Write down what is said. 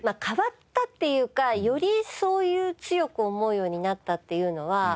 変わったっていうかより強く思うようになったっていうのは。